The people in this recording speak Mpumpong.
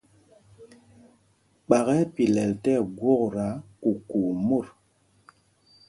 Kpak ɛ́ ɛ́ pilɛl tí ɛgwokta kukuu mot.